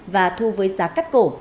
và thu với giá cắt cổ